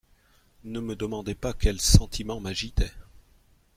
Ne me demandez pas quels sentiments m'agitaient.